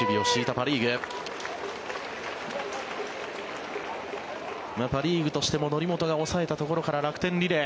パ・リーグとしても則本が抑えたところから楽天リレー。